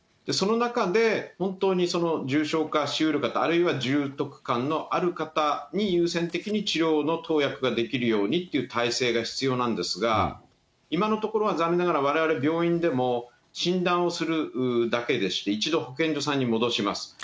その中で、本当に重症化しうる方、あるいは重篤感のある方に優先的に治療の投薬ができるようにという体制が必要なんですが、今のところは残念ながらわれわれ病院でも診断をするだけでして、一度保健所さんに戻します。